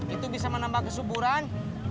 itu bisa menambah kesuburan